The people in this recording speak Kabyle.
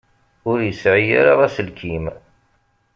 Ur yesɛi ara aselkim.